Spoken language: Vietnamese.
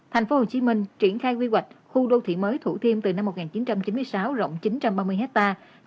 tp hcm triển khai quy hoạch khu đô thị mới thủ thiêm từ năm một nghìn chín trăm chín mươi sáu rộng chín trăm ba mươi hectare